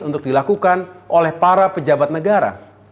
untuk dilakukan oleh para pejabat negara